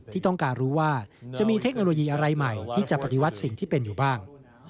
ที่ต้องการรู้ว่าจะมีเทคโนโลยีอะไรใหม่ที่จะปฏิวัติสิ่งที่เป็นอยู่บ้าง